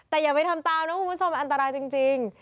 แต่อย่าไปทำตามนะคุณผู้ชมมันอันตรายจริง